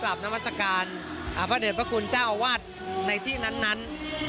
การเดินทางปลอดภัยทุกครั้งในฝั่งสิทธิ์ที่หนูนะคะ